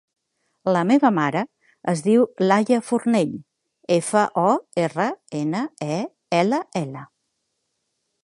La meva mare es diu Laia Fornell: efa, o, erra, ena, e, ela, ela.